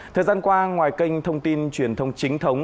thời gian qua ngoài kênh thông tin truyền thông chính thống